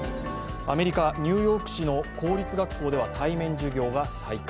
アメリカ・ニューヨーク市の公立学校では対面授業が再開。